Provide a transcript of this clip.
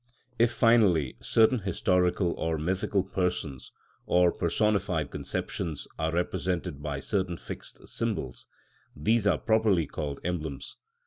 If, finally, certain historical or mythical persons, or personified conceptions, are represented by certain fixed symbols, these are properly called emblems.